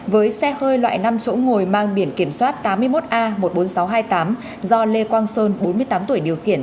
với xe hơi loại năm chỗ ngồi mang biển kiểm soát tám mươi một a một mươi bốn nghìn sáu trăm hai mươi tám do lê quang sơn bốn mươi tám tuổi điều khiển